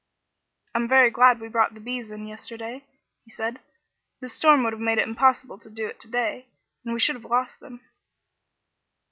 "I'm very glad we brought the bees in yesterday," he said. "This storm would have made it impossible to do it to day, and we should have lost them."